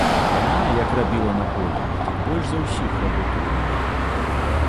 Яна, як рабіла на полі, дык больш за ўсіх работу гнала.